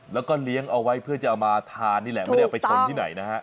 แล้วก็เลี้ยงเอาไว้เพื่อจะเอามาทานนี่แหละไม่ได้เอาไปชนที่ไหนนะฮะ